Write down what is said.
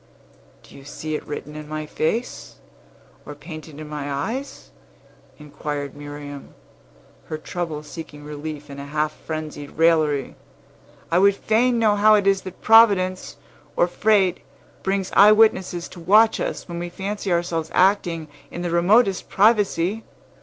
"Do you see it written in my face, or painted in my eyes?" inquired Miriam, her trouble seeking relief in a half frenzied raillery. "I would fain know how it is that Providence, or fate, brings eye witnesses to watch us, when we fancy ourselves acting in the remotest privacy.